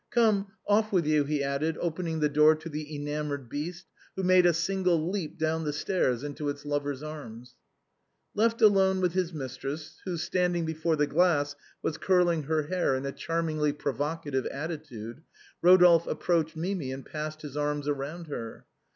Come, off with you," he added, opening the door to the enamored beast, who made a single leap down the stairs into its lover's arms. Left alone with his mistress, who, standing before the glass, was curling lier hair in a charmingly provocative atti tude, Eodolphe approached Mimi and passed his arms round her.